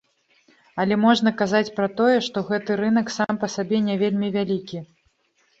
Але можна казаць пра тое, што гэты рынак сам па сабе не вельмі вялікі.